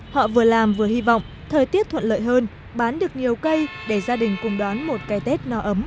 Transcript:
họ vừa làm vừa hy vọng thời tiết thuận lợi hơn bán được nhiều cây để gia đình cùng đón một cái tết no ấm